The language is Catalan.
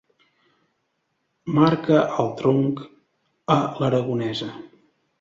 Marca al tronc a l'aragonesa.